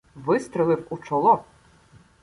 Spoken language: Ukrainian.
Вистрелив у чоло.